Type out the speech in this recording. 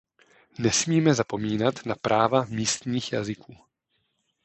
Nesmíme zapomínat na práva místních jazyků.